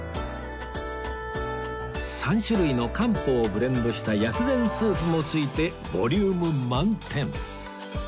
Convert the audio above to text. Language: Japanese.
３種類の漢方をブレンドした薬膳スープも付いてボリューム満点